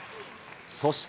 そして。